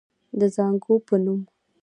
د زانګو پۀ نوم